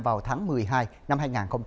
vào tháng một mươi hai năm hai nghìn hai mươi ba